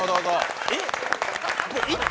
えっ？